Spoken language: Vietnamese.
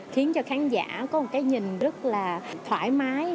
khiến cho khán giả có một cái nhìn rất là thoải mái